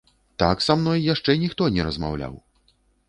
Так са мной яшчэ ніхто не размаўляў!